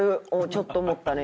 ちょっと思ったね